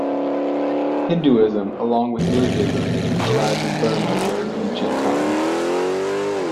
Hinduism, along with Buddhism, arrived in Burma during ancient times.